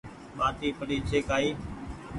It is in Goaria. ٻآٽي پڙي ڇي ڪآئي